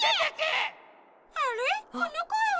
あれこのこえは。